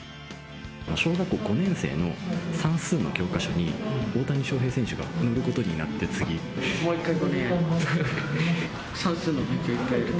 小学５年生の算数の教科書に大谷翔平選手が載ることになって、もう１回５年生やります。